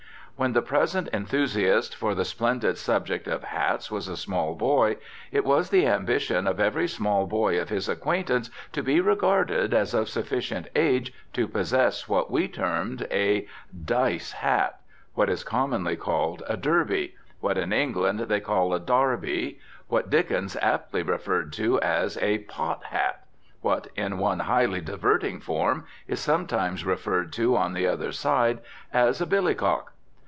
When the present enthusiast for the splendid subject of hats was a small boy it was the ambition of every small boy of his acquaintance to be regarded as of sufficient age to possess what we termed a "dice hat," what is commonly called a "derby," what in England they call a "darby," what Dickens aptly referred to as a "pot hat," what, in one highly diverting form, is sometimes referred to on the other side as a "billycock."